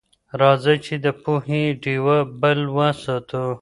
راځئ چي د پوهي ډيوه بل وساتو.